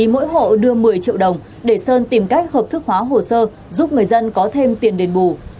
mỗi hộ đưa một mươi triệu đồng để sơn tìm cách hợp thức hóa hồ sơ giúp người dân có thêm tiền đền bù